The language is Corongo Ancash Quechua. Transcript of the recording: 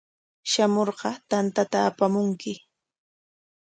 Shamurqa tantata apamunki.